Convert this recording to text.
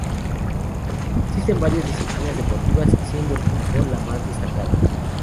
Existen varias disciplinas deportivas, siendo el fútbol la más destacada.